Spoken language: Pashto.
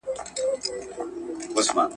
زه هره ورځ کتابونه لوستل کوم؟